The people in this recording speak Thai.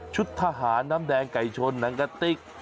ทหารน้ำแดงไก่ชนหนังกะติ๊ก